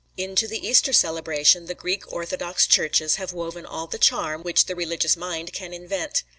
Into the Easter celebration the Greek Orthodox churches have woven all the charm which the religious mind can invent.